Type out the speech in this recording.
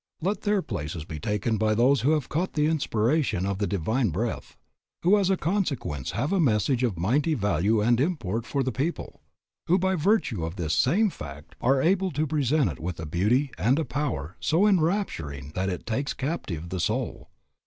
Let their places be taken by those who have caught the inspiration of the Divine Breath, who as a consequence have a message of mighty value and import for the people, who by virtue of this same fact are able to present it with a beauty and a power so enrapturing that it takes captive the soul.